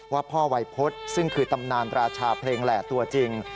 ว่าพ่อวัยพฤษซึ่งคือตำนานราชาเพลงแหล่ตัวจริง